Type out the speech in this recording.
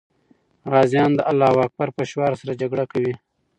غازیان د الله اکبر په شعار سره جګړه کوي.